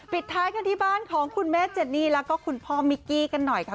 ปิดท้ายกันที่บ้านของคุณแม่เจนี่แล้วก็คุณพ่อมิกกี้กันหน่อยค่ะ